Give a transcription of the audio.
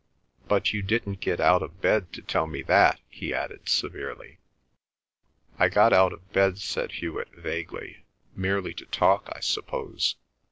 "But you didn't get out of bed to tell me that," he added severely. "I got out of bed," said Hewet vaguely, "merely to talk I suppose."